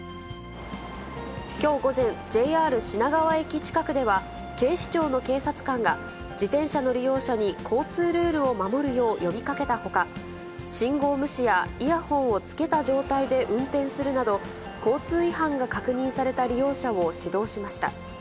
きょう午前、ＪＲ品川駅近くでは、警視庁の警察官が、自転車の利用者に交通ルールを守るよう呼びかけたほか、信号無視やイヤホンをつけた状態で運転するなど、交通違反が確認された利用者を指導しました。